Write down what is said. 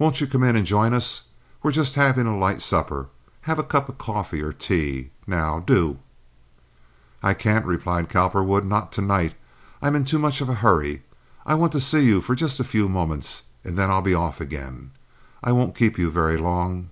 "Won't you come in and join us? We're just havin' a light supper. Have a cup of coffee or tea, now—do." "I can't," replied Cowperwood. "Not to night, I'm in too much of a hurry. I want to see you for just a few moments, and then I'll be off again. I won't keep you very long."